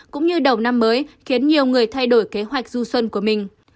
cũng như đầu năm mới khiến nhiều người thay đổi kế hoạch du xuân của mình